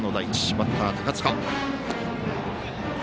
バッター、高塚。